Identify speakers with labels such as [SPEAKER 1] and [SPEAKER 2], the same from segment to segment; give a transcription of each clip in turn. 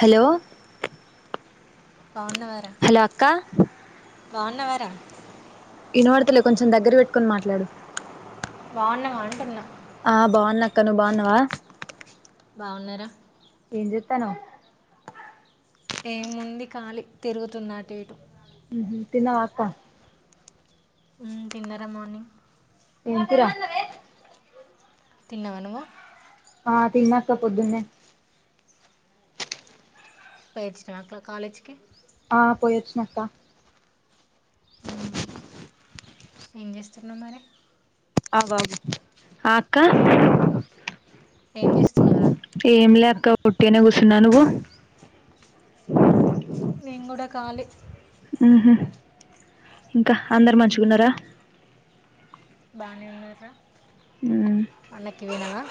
[SPEAKER 1] Hello hello అక్కా
[SPEAKER 2] బావున్నవారా?
[SPEAKER 1] ఇనువడతలే కొంచెం దగ్గర వేట్టుకొని మాట్లాడు
[SPEAKER 2] బావున్నావా అంటున్న
[SPEAKER 1] ఇంకా నువ్ బావున్నావా?
[SPEAKER 2] బావున్నారా
[SPEAKER 1] ఇంకేంజేతన్నవ్?
[SPEAKER 2] ఏముంది కాలి తిరుగుతున్న అటు ఇటు
[SPEAKER 1] తిన్నావా? అక్క
[SPEAKER 2] ఉమ్ తిన్నారా మోనీ
[SPEAKER 1] ఏం కూర
[SPEAKER 2] తిన్నావ నువ్వు
[SPEAKER 1] ఆ తిన్నాక్క పొద్దున్నే
[SPEAKER 2] వైట్ స్టార్కా కాలేజ్కి
[SPEAKER 1] ఆ పోయొచ్చినక్కా
[SPEAKER 2] ఉమ్ ఏం చేస్తున్నావ్ మరే
[SPEAKER 1] అవు అవు ఆ అక్క
[SPEAKER 2] ఏం చేస్తున్నావురా?
[SPEAKER 1] వొట్టిగినే కూసున్న నువ్వు
[SPEAKER 2] నేను గుడా కాలి
[SPEAKER 1] ఊహుం ఇంకా అందరు మంచిగున్నారా?
[SPEAKER 2] బానే ఉన్నారు రా పండకి పోయినవా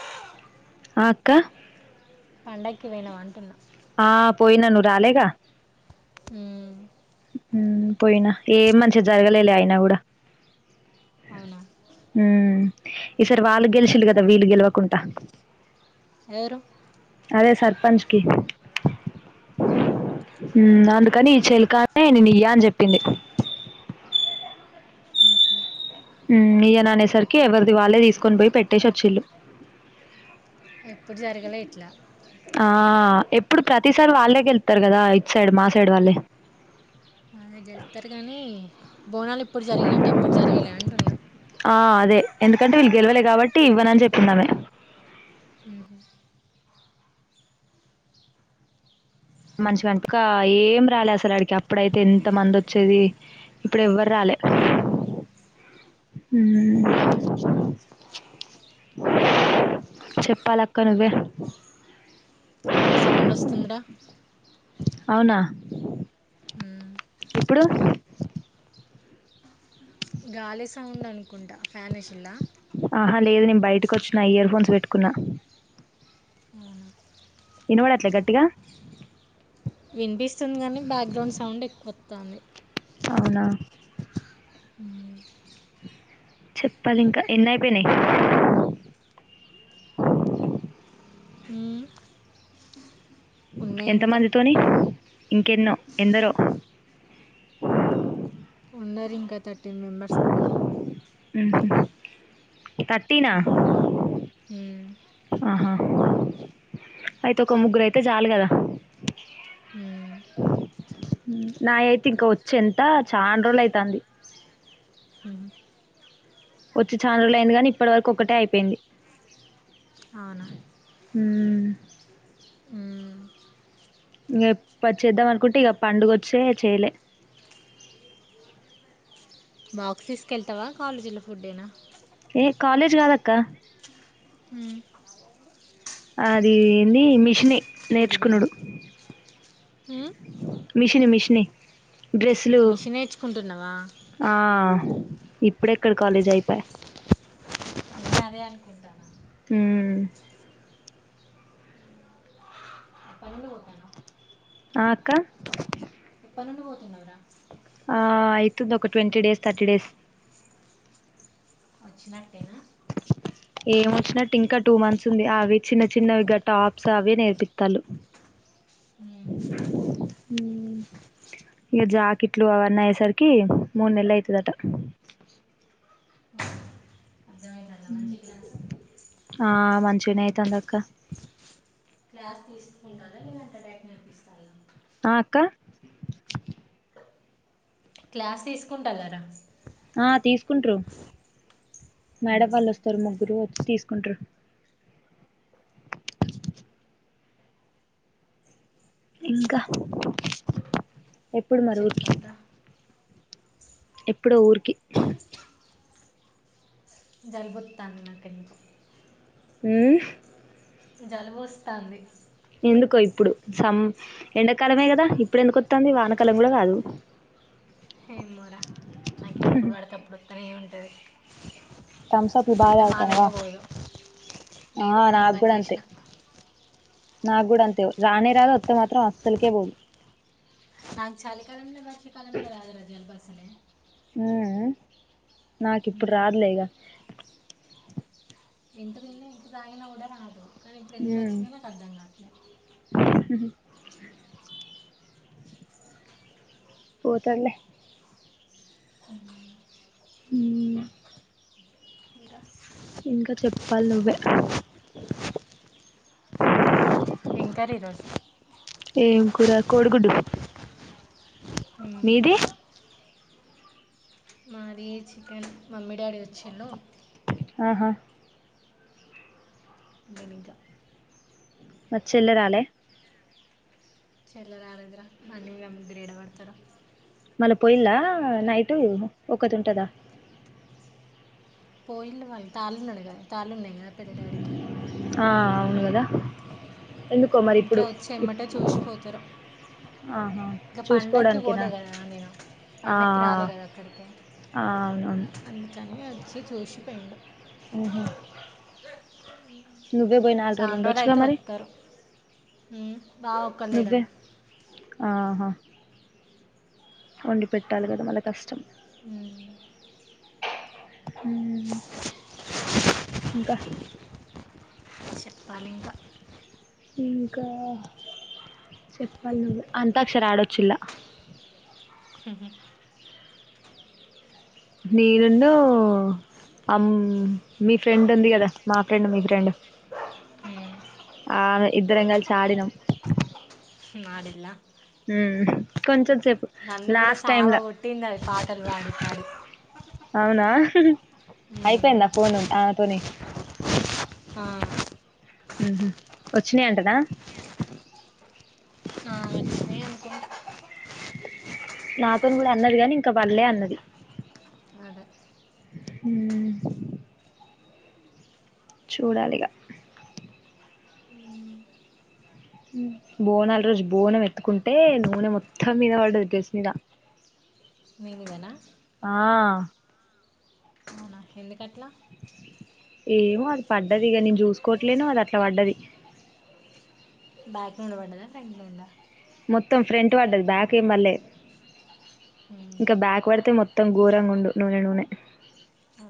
[SPEAKER 1] ఆ అక్క
[SPEAKER 2] పండక్కి వేనావా అంటున్నా
[SPEAKER 1] ఆ పోయిన నువు రాలేగా
[SPEAKER 2] ఉమ్
[SPEAKER 1] ఉమ్ పోయినా ఏ మంచి జరగలేలే అయినా గుడా
[SPEAKER 2] అవునా
[SPEAKER 1] ఈ సారి వాళ్ళు గెలిశిళ్ళు
[SPEAKER 2] ఎందుకట్లా
[SPEAKER 1] గదా వీళ్లు గెలవకుంటా
[SPEAKER 2] ఎవరు
[SPEAKER 1] అదే సర్పంచ్కి
[SPEAKER 2] ఆహా
[SPEAKER 1] కనీ చెల్ కా అంటే నేన్ నియ్యా అని జెప్పింది.
[SPEAKER 2] ఉహుం
[SPEAKER 1] ఉ ఇయ్యను అనేసరికి ఎవరిది వాళ్ళే తీసుకొని పోయి పెట్టేసచ్చిల్లు
[SPEAKER 2] ఎప్పుడు జరగలే ఇట్లా
[SPEAKER 1] ఆ ఎప్పుడు ప్రతిసారి వాళ్ళే గెళ్తారు కదా ఇట్ సైడ్ మా సైడ్ వాళ్ళే
[SPEAKER 2] అదే గెలుతారు కానీ బోనాలు ఇప్పుడు జరిగినట్టు ఎప్పుడు జరగలే అంటున్నా
[SPEAKER 1] ఆ! అదే. ఎందుకంటే వీళ్ళు గెలవలే కాబట్టి ఇవ్వనని చెప్పిందామే
[SPEAKER 2] ఉహు
[SPEAKER 1] మంచి వెనపక ఏం రాలేదు అసలు అడికి అప్పుడైతే ఎంత మంది వచ్చేది ఇప్పుడు ఎవరు రాలే
[SPEAKER 2] మ్మ్.
[SPEAKER 1] ఊమ్
[SPEAKER 2] ఇంకా
[SPEAKER 1] నువ్వే.
[SPEAKER 2] నవ్ సౌండ్ వస్తుందిరా
[SPEAKER 1] అవునా
[SPEAKER 2] మ్మ్.
[SPEAKER 1] ఇప్పుడు
[SPEAKER 2] గాలి సౌండ్ అనుకుంటా ఫ్యానిష్ ఇలా
[SPEAKER 1] బయటకు వచ్చిన ఇయర్ఫోన్స్ పెట్టుకున్నా వినవడేట్ల గట్టిగా
[SPEAKER 2] తాంది
[SPEAKER 1] అవునా
[SPEAKER 2] ఉమ్
[SPEAKER 1] చెప్పాలి ఇంకా ఎన్ని అయిపోయినాయి
[SPEAKER 2] ఊమ్
[SPEAKER 1] ఎంత మందితోని ఇంకెన్నో ఎందరో
[SPEAKER 2] ఉన్నారు ఇంకా తట్ టన్ మెంబర్స్ దాంకా
[SPEAKER 1] ఉమ్ హు థర్టీనా
[SPEAKER 2] మ్మ్. మ్మ్.
[SPEAKER 1] ఆహా అయితే ఒక ముగ్గురు అయితే చాలు కదా
[SPEAKER 2] ఉమ్
[SPEAKER 1] ఉమ్ నా అయితే ఇంక వచ్చి ఎంత చాలా రోజులు అయితంది
[SPEAKER 2] ఉ హు
[SPEAKER 1] వచ్చి ఛానరోలు అయింది కాని ఇప్పటి వరకు ఒకటే అయిపోయింది
[SPEAKER 2] అవునా మ్మ్.
[SPEAKER 1] ఇంక ప చేద్దాం అనుకుంటే ఇక పండుగ వచ్చే చేయలే
[SPEAKER 2] బాక్స్ తీసుకెళ్తావా కాలేజీలో ఫుడ్ేనా
[SPEAKER 1] ఏ కాలేజ్ కాదక్క
[SPEAKER 2] హు మ్
[SPEAKER 1] అది ఏంది మిషనే నేర్చుకున్డు
[SPEAKER 2] ఉరివిండి
[SPEAKER 1] మిషని మిషన్ న్నే డ్రెస్లు
[SPEAKER 2] మిషన్ నేర్చుకుంటున్నావా
[SPEAKER 1] ఆ ఇప్పుడెక్కడ కాలేజ్ అయిపోయా
[SPEAKER 2] నేను అదే అనుకుంటాన
[SPEAKER 1] మ్మ్
[SPEAKER 2] ఎప్పటి నుండి పోతాను
[SPEAKER 1] ఆ అక్క
[SPEAKER 2] పండి పోతున్నావురా
[SPEAKER 1] ఆ అయితుంది ఒక ట్వంటీ డేస్ థర్టీ డేస్
[SPEAKER 2] వచ్చినట్టేనా
[SPEAKER 1] ఏం వచ్చినట్టు ఇంకా టూ మంత్స్ ఉంది అవి చిన్న చిన్న వి ఇగ టాప్స్ అవి నేర్పిస్తాలు ఇక జాకెట్లు అవి అన్ని అయ్యేసరికి మూడు నెలు అయితది అట హ్మ్
[SPEAKER 2] గ్లాసు
[SPEAKER 1] ఆ మంచిగనే అయితంది అక్క
[SPEAKER 2] క్లాస్ తీసుకుంటారా లేదు అంటే డైరెక్ట్ నేర్పిస్తారా
[SPEAKER 1] ఆ అక్క
[SPEAKER 2] క్లాస్ తీసుకుంటగరా
[SPEAKER 1] ఆ తీసుకుంటరు మేడం వాల్ వస్తారు ముగ్గురు తీసుకుంటరు ఇంకా ఎప్పుడు మరు
[SPEAKER 2] చెప్పాలరా
[SPEAKER 1] ఎప్పుడో ఊరికి
[SPEAKER 2] జలుబూ వత్తంది నాక్ [unintelligible]
[SPEAKER 1] మ్మ్
[SPEAKER 2] జలుబు వస్తంది
[SPEAKER 1] ఎందుకో ఇప్పుడు సం ఎండాకాలమే కదా ఇప్పుడు ఎందుకొస్తంది వానకాలం కూడా కాదు
[SPEAKER 2] ఎమోరా నాకే ఎప్పుడు పడితే అప్పుడు ఐతనేఉంటది
[SPEAKER 1] థమ్సఅప్లు బాగా తగుతానవా ఆ
[SPEAKER 2] లేదు అని
[SPEAKER 1] నాకు
[SPEAKER 2] బంద్
[SPEAKER 1] కూడా అంతే
[SPEAKER 2] చేసిన
[SPEAKER 1] నా కూడా అంతే రానే రాదు అస్తే మాత్రం అస్సలికే పోదు
[SPEAKER 2] నాకు చాలి కాలంలో వర్ష కాలంలో రాదురా జలుబు అసలు అే
[SPEAKER 1] మ్మ్ నాకిప్పుడు
[SPEAKER 2] ఉమ్.
[SPEAKER 1] రాదులే ఇగా
[SPEAKER 2] వింటర్ అయిన ఎంతా తాగిన కూడా రాదు ఇప్పుడు
[SPEAKER 1] ఉమ్
[SPEAKER 2] ఎందుకోచినాదో నాకు అర్థం కాట్లే
[SPEAKER 1] పోతాదిలే
[SPEAKER 2] ఆ
[SPEAKER 1] హ్మ్
[SPEAKER 2] ఇంకా
[SPEAKER 1] ఇంకా చెప్పాలి నువ్వే
[SPEAKER 2] ఏం కర్రీ ఈరోజు
[SPEAKER 1] ఏం కూర కోడిగుడ్డు మీది
[SPEAKER 2] మాది చికెన్ మమ్మీ డాడీ వచ్చిళ్ళు
[SPEAKER 1] ఆహా
[SPEAKER 2] లేదు ఇంకా
[SPEAKER 1] మరి చెల్లి రాలే
[SPEAKER 2] చెల్లె రాలేదు రా బండి మీద ముగ్గురు ఏడ పడతారు
[SPEAKER 1] మళ్ళా పోయిన్ల నైటు ఒకటి ఉంటదా
[SPEAKER 2] పోయిన్లు మరి తాళ్ళు ఉన్నాడు కదా తాళ్ళు ఉన్నాయ్ కదా డాడీ కి
[SPEAKER 1] ఆ అవును కదా ఎందుకో మరి
[SPEAKER 2] ఇంకా
[SPEAKER 1] ఇప్పుడు
[SPEAKER 2] వచ్చి
[SPEAKER 1] ఇప్
[SPEAKER 2] ఎమ్మటే
[SPEAKER 1] ఆహా
[SPEAKER 2] ఇంక పండక్కి
[SPEAKER 1] చూసుకోవడానికేనా
[SPEAKER 2] పోలే కదా నేను
[SPEAKER 1] ఆ
[SPEAKER 2] పండక్కి రాలే కదా అక్కడికే
[SPEAKER 1] ఆ అవునవును
[SPEAKER 2] అందుకని వచ్చి చూసి పోయిండు
[SPEAKER 1] ఉహు
[SPEAKER 2] ద
[SPEAKER 1] నువ్వే పోయి నాలుగు రోజులు ఉండొచ్చుగా మరి
[SPEAKER 2] మ్మ్
[SPEAKER 1] నువ్వే ఆహా వండి పెట్టాలి కదా మళ్ళ కష్టం
[SPEAKER 2] మ్మ్
[SPEAKER 1] ఇంకా
[SPEAKER 2] చెప్పాలి ఇంకా
[SPEAKER 1] ఇంకా చెప్పాలి నువ్వు అంతాక్షరీ ఆడొచ్చు ఇలా
[SPEAKER 2] హ్మ్ హు
[SPEAKER 1] నేను ను అమ్ మీ ఫ్రెండ్ ఉంది కదా మా ఫ్రెండ్ మీ ఫ్రెండ్
[SPEAKER 2] మ్మ్
[SPEAKER 1] ఆమె ఇద్దరం కలిసి ఆడినం
[SPEAKER 2] మాడిళ్ళ
[SPEAKER 1] హ్మ్ కొంచద్
[SPEAKER 2] నన్ను కూడా సావా కొట్టింది అవి పాటలు పాడి పాడి
[SPEAKER 1] హ్మ్ హు
[SPEAKER 2] మ్మ్.
[SPEAKER 1] అయిపోయిందా ఫోను దాంతోనే
[SPEAKER 2] ఆ
[SPEAKER 1] హ్మ్ హు వచ్చినాయి అంటనా
[SPEAKER 2] ఆ, వచ్చినాయి అనుకుంటా
[SPEAKER 1] నాతోని కూడా అన్నది కాని ఇంకా పళ్లే అన్నది
[SPEAKER 2] అదే
[SPEAKER 1] హ్మ్ చూడాలి ఇగ
[SPEAKER 2] మ్మ్.
[SPEAKER 1] మ్మ్ బోనాల రోజు బోనం ఎత్తుకుంటే నూనె మొత్తం మీద పడ్డది డ్రెస్ మీద
[SPEAKER 2] నీ మీదనా
[SPEAKER 1] ఆ
[SPEAKER 2] అవునా ఎందుకట్లా
[SPEAKER 1] ఏమో అది పడ్డది ఇగ నేను చూసుకోట్లేను అది అట్లా పడ్డది
[SPEAKER 2] బ్యాక్ లో ఉండ పడ్డదా ఫ్రంట్ లో ఉండ
[SPEAKER 1] మొత్తం ఫ్రంట్ పడ్డది బ్యాక్ పల్లె
[SPEAKER 2] మ్మ్.
[SPEAKER 1] ఇంకా బ్యాక్ పడితే మొత్తం ఘోరంగా ఉండు నూనె నూనె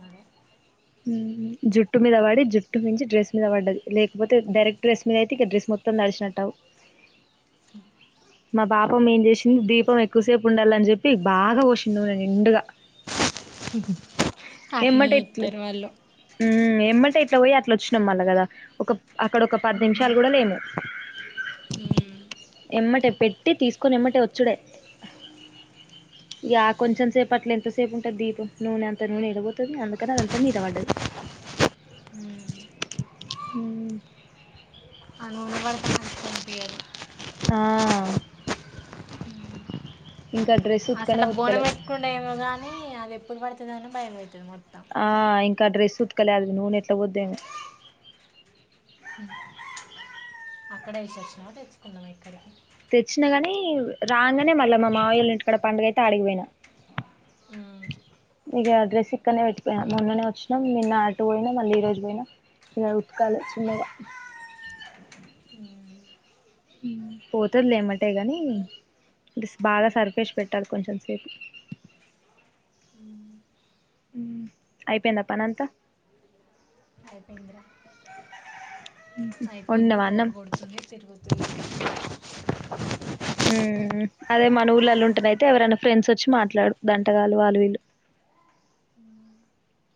[SPEAKER 2] అదే
[SPEAKER 1] మ్మ్ జుట్టు మీద వాడి జుట్టు మించి డ్రెస్ మీద పడ్డది లేకపోతే డైరెక్ట్ డ్రెస్ మీద అయితే ఇక డ్రెస్ మొత్తం దడిచినట్టావు మా పాపం ఏం చేసింది దీపం ఎక్కువసేపు ఉండాలని చెప్పి బాగా పోషంది నేను నిండుగా
[SPEAKER 2] అట్లనే
[SPEAKER 1] ఊ ఎమ్మటే ఇట్లా పోయి అట్లా వచ్చినం మళ్ళ కదా ఒక అక్కడ ఒక పది
[SPEAKER 2] మ్మ్.
[SPEAKER 1] నిమిషాలు కూడా లేము
[SPEAKER 2] మ్మ్.
[SPEAKER 1] ఎమ్మటే పెట్టి తీసుకొని ఎమ్మటే వచ్చుడే ఈగ కొంచెం సేపు అట్ల ఎంతసేపు ఉంటది దీపం నూనె అంత నూనె ఎడిపోతుంది అక్కడ అదంతా మీద పడ్డది
[SPEAKER 2] మ్మ్.
[SPEAKER 1] ఊ
[SPEAKER 2] ఆ నూనె పడితే మంచిగా అనిపించదు
[SPEAKER 1] ఆ ఇంకా డ్రెస్సు
[SPEAKER 2] అసలు బోనం ఎత్తుకున్నాడు ఏమో గానీ అది ఎప్పుడు పడుతుంది అన్న భయం అయితుంది
[SPEAKER 1] ఆ ఇంకా డ్రెస్ ఉతకలే నూనె ఎట్ల పోతుందో ఏమో
[SPEAKER 2] అక్కడే ఏ సచ్చినవా ఇక్కడికే తెచ్చుకున్నావా
[SPEAKER 1] తెచ్చినా కాని రాగానే మళ్ళీ మా మామయ్య ఇంటికాడ పండుగ అయితే అడిగిపోయినా
[SPEAKER 2] మ్మ్.
[SPEAKER 1] ఇక డ్రెస్ ఇక్కడనే పెట్టిపోయినా మొన్ననే వచ్చినాం నిన్న అటు పోయినా మళ్ళీ ఈ రోజు పోయినా ఉతకాల చిన్నగా పోతుంది లే ఎమ్మటే బాగా సరిపేసి పెట్టాలి కొంచెం సేపు అయిపోయిందా పని అంతా
[SPEAKER 2] అయిపోయిందిరా అయిపోయింది
[SPEAKER 1] వండినవా అన్నం
[SPEAKER 2] బోరు కొడుతుంది తిరుగుతుంన డోర్ సౌండ్
[SPEAKER 1] ఉమ్ అదే మన ఊళ్ళల్లా అయితే ఎవరైనా ఫ్రెండ్స్ వచ్చి మాట్లాడుతారు అట్ల కాదు వాళ్ళు వీళ్ళు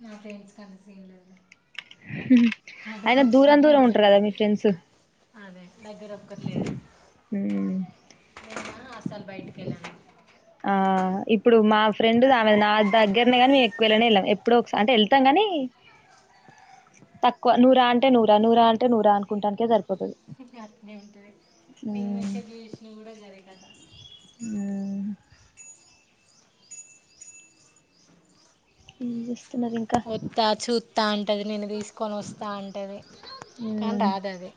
[SPEAKER 2] నా ఫ్రెండ్స్ కనిసిలేదు
[SPEAKER 1] అయినా దూరం దూరం
[SPEAKER 2] ఇంట్లో
[SPEAKER 1] ఉంటారు కదా మీ ఫ్రెండ్స్
[SPEAKER 2] అదే దగ్గర ఒక్కరు లేరు
[SPEAKER 1] ఉ
[SPEAKER 2] నువ్వు బయటికి వెళ్ళావా
[SPEAKER 1] ఆ ఇప్పుడు మా ఫ్రెండ్ ఆమెదీ నా దగ్గరనే గాని మేము ఎక్కువెళ్ళనే వెళ్ళాం ఎప్పుడో ఒకసారి అంటే వెళ్తాం ని తక్కువ నువ్వు రా అంటే నువ్వు రా నువ్వు రా అంటే నువ్వు రా అనుకుంటానికే సరిపోతుది
[SPEAKER 2] కట్లనే ఉంటది మేం మెసేజ్ చూసిన కూడా అదే కదా
[SPEAKER 1] ఉ ఏం చేస్తావ్
[SPEAKER 2] అ త్త చూత్త అత్త అంటది నేను తీసుకోను తీసుకొని వస్తా అంటది కానీ
[SPEAKER 1] ఉమ్
[SPEAKER 2] రాదు అడి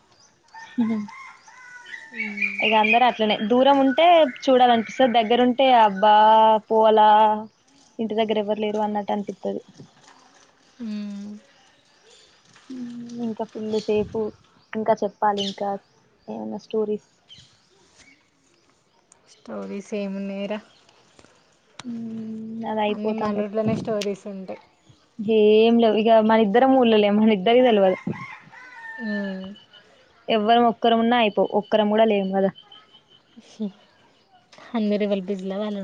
[SPEAKER 1] ఇ గ అందరూ అంతే ఇట్లనే దూరం ఉంటే చూడాలనిపిస్తుంది దగ్గరుంటే అబ్బా పోవాలా ఇంటి దగ్గర ఎవరు లేరు అన్నట్టు అనిపిస్తుంది ఇంకా ఫుల్ సేపు ఇంకా చెప్పాలి ఇంకా ఏమైనా స్టోరీస్
[SPEAKER 2] అన్ని సేమ్ ఉన్నాయి రా
[SPEAKER 1] ఉ నాది అయిపోతుంది
[SPEAKER 2] మన ఊర్లోనే స్టోరీస్ ఉంటాయి
[SPEAKER 1] ఏం లేదు ఇక మన ఇద్దరం ఊర్లో లేము మనిద్దరికీ తెలియదు ఎవ్వర ఒక్కరు ఉన్నా అయిపో ఒక్కరం కూడా లేము కదా
[SPEAKER 2] అందరూ ఎవరు బిజీలో వాళ్ళు ఉన్నారు